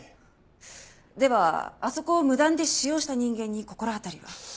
ではあそこを無断で使用した人間に心当たりは？